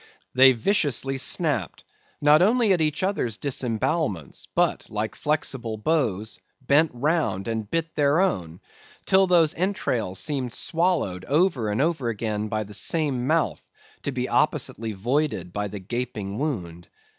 They viciously snapped, not only at each other's disembowelments, but like flexible bows, bent round, and bit their own; till those entrails seemed swallowed over and over again by the same mouth, to be oppositely voided by the gaping wound.